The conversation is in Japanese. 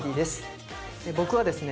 僕はですね